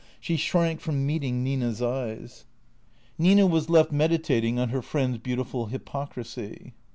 She shrank from meet ing Nina's eyes. Nina was left meditating on her friend's beautiful hypocrisy.